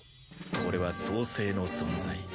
これは創生の存在。